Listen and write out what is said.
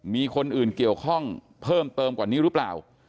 มีคนอื่นเกี่ยวข้องเพิ่มเติมกว่านี้หรือเปล่า